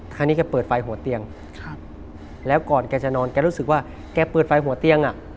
คราวนี้แกเปิดไฟหัวเตียงครับแล้วก่อนแกจะนอนแกรู้สึกว่าแกเปิดไฟหัวเตียงอ่ะ